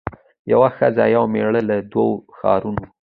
یوه ښځه یو مېړه له دوو ښارونو